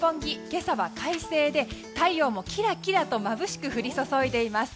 今朝は快晴で太陽もきらきらとまぶしく降り注いでいます。